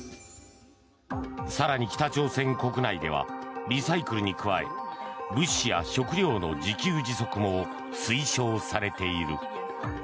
更に北朝鮮国内ではリサイクルに加え物資や食糧の自給自足も推奨されている。